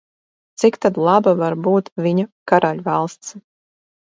Cik tad laba var būt viņa karaļvalsts?